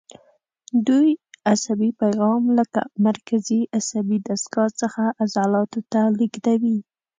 دوی عصبي پیغام له مرکزي عصبي دستګاه څخه عضلاتو ته لېږدوي.